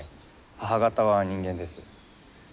母方は人間です。